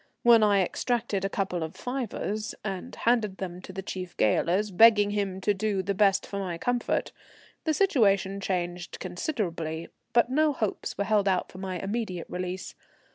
When I extracted a couple of fivers and handed them to the chief gaoler, begging him to do the best for my comfort, the situation changed considerably, but no hopes were held out for my immediate release.